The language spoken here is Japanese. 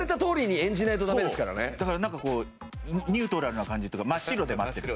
だからなんかこうニュートラルな感じというか真っ白で待ってる。